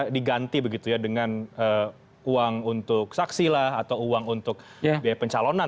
diganti begitu ya dengan uang untuk saksi lah atau uang untuk biaya pencalonan